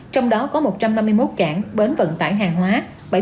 trong đó có một trăm năm mươi một cảng bến vận tải hàng hóa